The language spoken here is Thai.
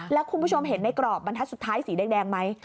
แล้วคุณผู้ชมเห็นในกรอบบรรทัศน์สุดท้ายสีแดงไหม